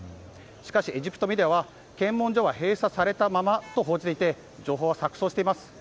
しかし、エジプトメディアは検問所は閉鎖されたままと報じていて情報は錯綜しています。